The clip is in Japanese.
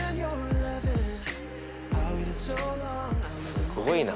すごいな。